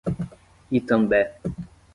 Itambé